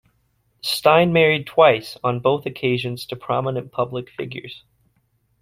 Stein married twice, on both occasions to prominent public figures.